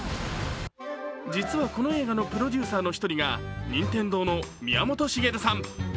実はこの映画のプロデューサーは任天堂の宮本茂さん。